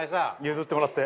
譲ってもらって。